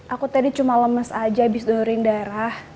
aku tadi cuma lemes aja abis doorin darah